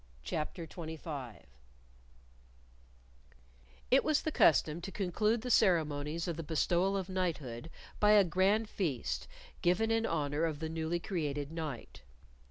CHAPTER 25 It was the custom to conclude the ceremonies of the bestowal of knighthood by a grand feast given in honor of the newly created knight.